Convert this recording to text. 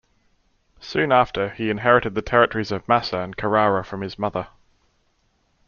Soon after, he inherited the territories of Massa and Carrara from his mother.